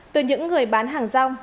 từ những người bán hàng rong